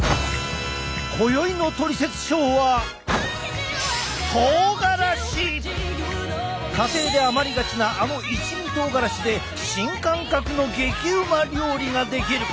今宵の「トリセツショー」は家庭で余りがちなあの一味とうがらしで新感覚の激うま料理ができる！